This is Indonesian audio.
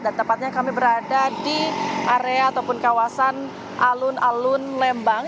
dan tepatnya kami berada di area ataupun kawasan alun alun lembang